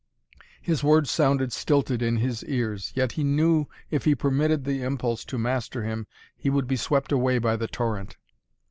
His words sounded stilted in his ears. Yet he knew if he permitted the impulse to master him he would be swept away by the torrent.